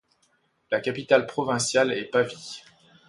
La capitale provinciale est Pavie.